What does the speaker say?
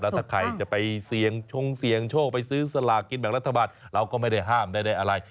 ถ้าใครจะไปเสี่ยงชงเสี่ยงโชคไปซื้อสลากกินแบ่งรัฐบาลเราก็ไม่ได้ห้ามไม่ได้อะไร